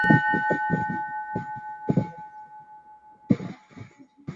三位来自空中巴士公司的空难调查员和两位技术顾问赴加拿大调查事故。